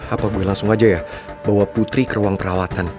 apa boleh langsung aja ya bawa putri ke ruang perawatan